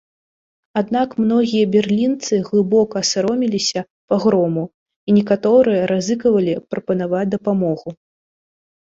Аднак многія берлінцы глыбока саромеліся пагрому, і некаторыя рызыкавалі прапанаваць дапамогу.